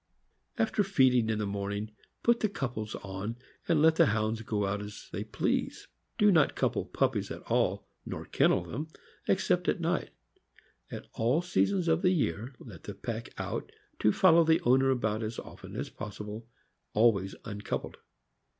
After feeding in the morning, put the couples on, and let the Hounds out to go as they please. Do not couple puppies at all, nor kennel them, except at night. At all seasons of the year, let the pack out to follow the owner about as often as possible, always uncoupled.